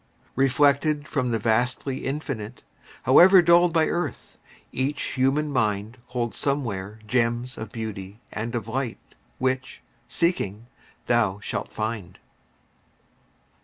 Reflected from the vastly Infinite, However dulled by earth, each human mind Holds somewhere gems of beauty and of light Which, seeking, thou shalt find.